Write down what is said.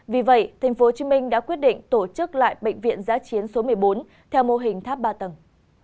vì vậy tp hcm đã quyết định tổ chức lại bệnh viện giá chiến số một mươi bốn theo mô hình tháp ba tầng